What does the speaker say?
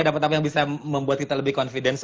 dapat apa yang bisa membuat kita lebih confidence